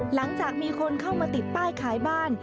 หลังจากมีคนเข้ามาติดป้ายขายบ้าน